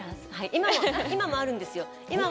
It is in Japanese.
今もあるんですよ。